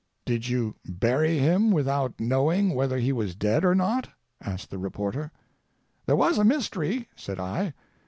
"Did you bury him without knowing whether he was dead or not?" asked the reporter. "There was a mystery," said I.